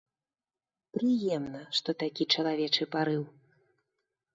Прыемна, што такі чалавечы парыў.